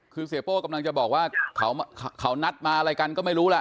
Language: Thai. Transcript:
คือเสียโป้กำลังจะบอกว่าเขานัดมาอะไรกันก็ไม่รู้ล่ะ